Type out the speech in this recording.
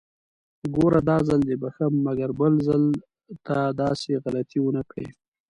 ګوره! داځل دې بښم، مګر بل ځل ته داسې غلطي ونکړې!